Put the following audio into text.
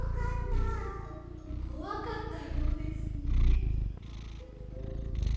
こわかったようですね。